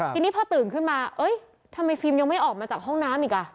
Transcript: ทีนี้พอตื่นขึ้นมาเอ้ยทำไมฟิล์มยังไม่ออกมาจากห้องน้ำอีกอ่ะ